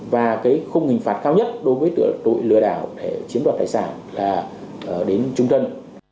và cái khung hình phạt cao nhất đối với tội lừa đảo để chiếm đoạt tài sản là đến trung thân